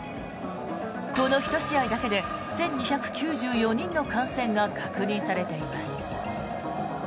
この１試合だけで１２９４人の感染が確認されています。